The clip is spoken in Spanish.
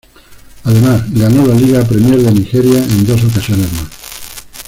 Además, ganó la Liga Premier de Nigeria en dos ocasiones más.